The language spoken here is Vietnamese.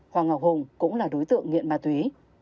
hoàng ngọc hùng cũng là đối tượng nghiện ma túy